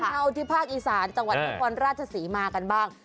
เข้าที่ภาคอีสานจังหวัดนครราชศรีมากันบ้าง